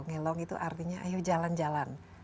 ngelong itu artinya ayo jalan jalan